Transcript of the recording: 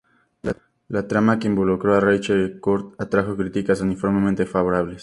La trama que involucró a Rachel y Kurt atrajo críticas uniformemente favorables.